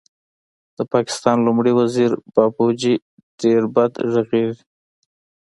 د پاکستان لومړی وزیر بابوجي ډېر بد غږېږي